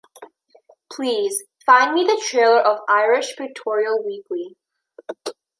Please, find me the trailer of Irish Pictorial Weekly.